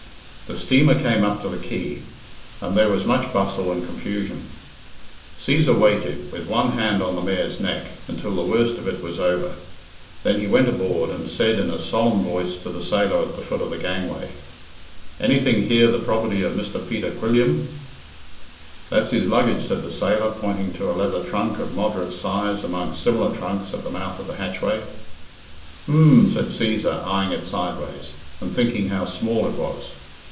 The steamer came up to the quay, and there was much bustle and confusion. Cæsar waited, with one hand on the mare's neck, until the worst of it was over. Then he went aboard, and said in a solemn voice to the sailor at the foot of the gangway, "Anything here the property of Mr. Peter Quilliam?" "That's his luggage," said the sailor, pointing to a leather trunk of moderate size among similar trunks at the mouth of the hatchway. "H'm!" said Cæsar, eyeing it sideways, and thinking how small it was.